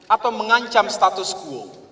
atau mengancam status quo